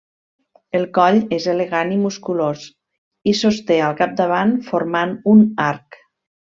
El coll és elegant i musculós, i sosté al capdavant formant un arc.